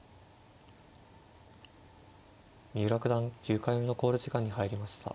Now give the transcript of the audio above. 三浦九段９回目の考慮時間に入りました。